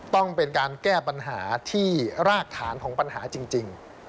ต้องเป็นการแก้ปัญหาที่รากฐานของปัญหาจริง